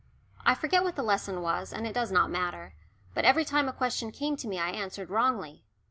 I forget what the lesson was, and it does not matter, but every time a question came to me I answered wrongly.